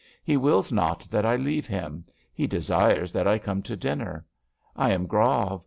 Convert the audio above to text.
He wills not that I leave him. He desires that I come to dinner. I am grave.